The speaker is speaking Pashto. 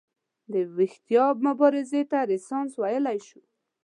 د ویښتیا مبارزې ته رنسانس ویلی شي.